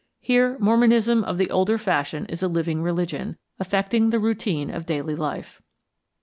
Here Mormonism of the older fashion is a living religion, affecting the routine of daily life.